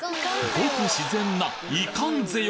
ごく自然な「いかんぜよ」